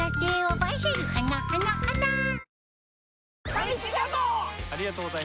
ファミチキジャンボ！